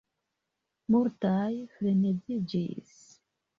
Multaj freneziĝis.